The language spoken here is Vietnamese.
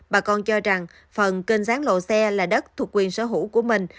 bà con cho rằng phần kênh sáng lộ xe là đất thuộc quyền sở hữu của mình